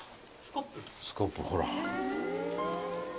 スコップほら。